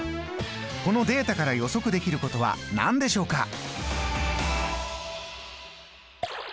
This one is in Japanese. このデータから予測できることは何でしょうか？